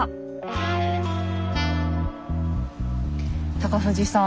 高藤さん